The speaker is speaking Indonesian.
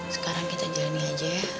sekarang kita jalanin aja ya